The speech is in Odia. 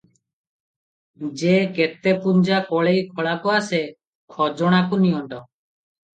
ଯେ କେତେ ପୁଞ୍ଜା କଳେଇ ଖଳାକୁ ଆସେ, ଖଜଣାକୁ ନିଅଣ୍ଟ ।